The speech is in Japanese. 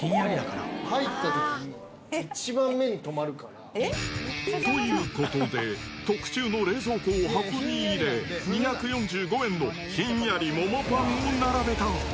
入ったときに一番目に留まるということで、特注の冷蔵庫を運び入れ、２４５円のひんやり桃パンを並べた。